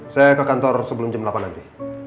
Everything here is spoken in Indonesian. saya ke kantor sebelum jam delapan nanti